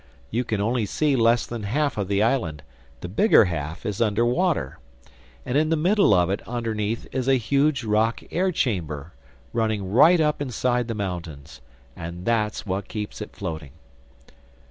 You can only see less than half of the island: the bigger half is under water. And in the middle of it, underneath, is a huge rock air chamber, running right up inside the mountains. And that's what keeps it floating."